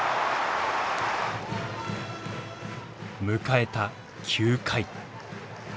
迎えた９回。